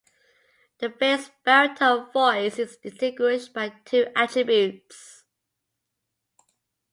The bass-baritone voice is distinguished by two attributes.